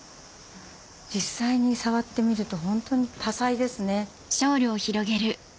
実際に触ってみるとホントに多彩ですね。